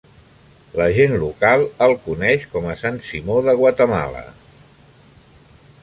La gent local el coneix com a San Simón de Guatemala.